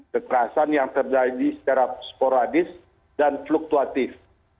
kekerasan yang terjadi secara sporadis dan fluktuatif